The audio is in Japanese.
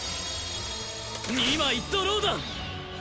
２枚ドローだ！